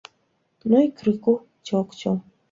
Ну і крыху дзёгцю!